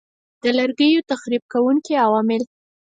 د لرګیو تخریب کوونکي عوامل